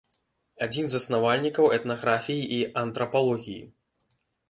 Адзін з заснавальнікаў этнаграфіі і антрапалогіі.